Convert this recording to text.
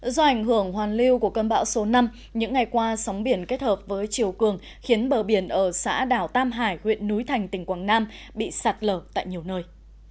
do ảnh hưởng hoàn lưu của cơn bão số năm những ngày qua sóng biển kết hợp với chiều cường khiến bờ biển ở xã đảo tam hải huyện núi thành tỉnh quảng nam bị sạt lở tại nhiều nơi